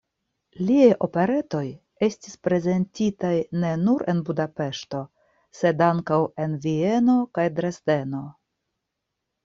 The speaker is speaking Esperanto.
Liaj operetoj estis prezentitaj ne nur en Budapeŝto, sed ankaŭ en Vieno kaj Dresdeno.